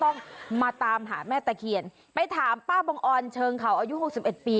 ร้องกากากาละเกดกาละเกด